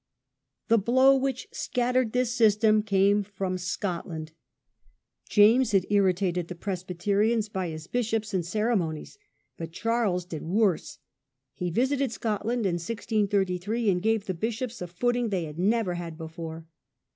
The blow which shattered this system came from Scotland. James had irritated the Presbyterians by his The Scots' bishops and ceremonies, but Charles did resistance. worse. He visited Scotland in 1633 and gave the bishops a footing they had never had before.